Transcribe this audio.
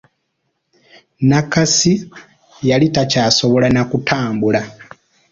Nakasi yali takyasobola na kutambula.